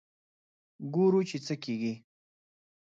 ګورو چې څه کېږي.